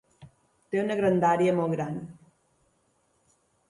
Té una grandària molt gran.